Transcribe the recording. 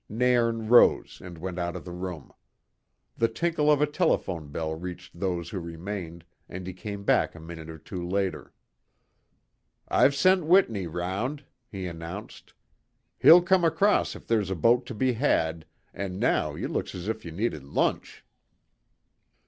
Nairn rose and went out of the room. The tinkle of a telephone bell reached those who remained, and he came back a minute or two later. "I've sent Whitney round," he announced. "He'll come across if there's a boat to be had, and now ye look as if ye needed lunch."